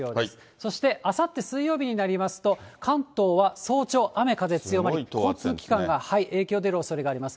そして、あさって水曜日になりますと、関東は早朝、雨風強まり、交通機関が影響出るおそれがあります。